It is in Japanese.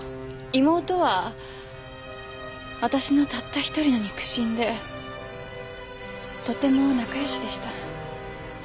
妹はわたしのたった一人の肉親でとても仲良しでした。